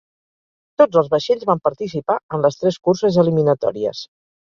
Tots els vaixells van participar en les tres curses eliminatòries.